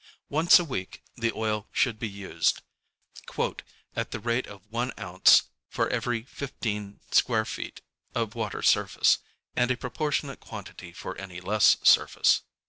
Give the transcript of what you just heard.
Once a week the oil should be used, ŌĆ£at the rate of once ounce for every fifteen square feet of water surface, and a proportionate quantity for any less surface.